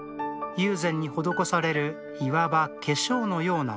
友禅に施されるいわば化粧のようなもの。